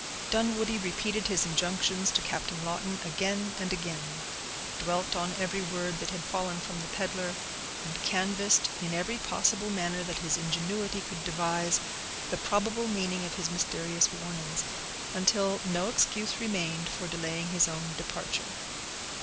Dunwoodie repeated his injunctions to Captain Lawton again and again—dwelt on every word that had fallen from the peddler, and canvassed, in every possible manner that his ingenuity could devise, the probable meaning of his mysterious warnings, until no excuse remained for delaying his own departure.